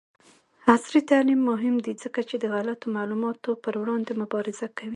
عصري تعلیم مهم دی ځکه چې د غلطو معلوماتو پر وړاندې مبارزه کوي.